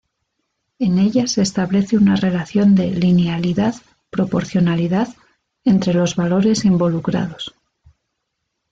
En ella se establece una relación de linealidad, proporcionalidad, entre los valores involucrados.